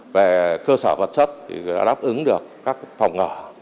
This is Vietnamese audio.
về cơ sở vật chất thì đã đáp ứng được các phòng ngỡ